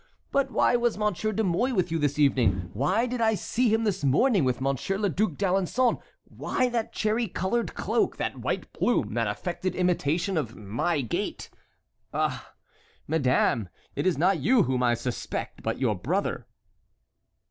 But why was Monsieur de Mouy with you this evening? why did I see him this morning with Monsieur le Duc d'Alençon? Why that cherry colored cloak, that white plume, that affected imitation of my gait? Ah! madame, it is not you whom I suspect, but your brother."